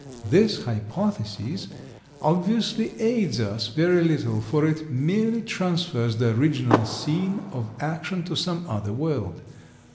This hypothesis obviously aids us very little, for it merely transfers the original scene of action to some other world.